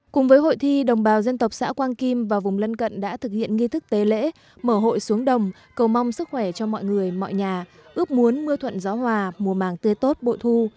cùng với hội thi đồng bào dân tộc xã quang kim và vùng lân cận đã thực hiện nghi thức tế lễ mở hội xuống đồng cầu mong sức khỏe cho mọi người mọi nhà ước muốn mưa thuận gió hòa mùa màng tươi tốt bội thu